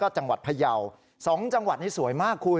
๒จังหวัดนี้สวยมากคุณ